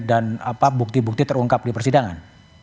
dan apa bukti bukti terungkap di persidangan